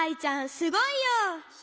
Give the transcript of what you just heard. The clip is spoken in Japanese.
すごいよ！